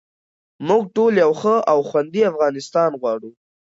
موږ ټول یو ښه او خوندي افغانستان غواړو.